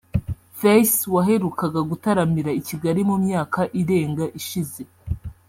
Face waherukaga gutaramira i Kigali mu myaka irenga ishize